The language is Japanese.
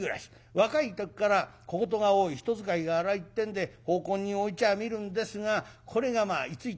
若い時から小言が多い人使いが荒いってんで奉公人を置いちゃみるんですがこれがまあ居ついてくれない。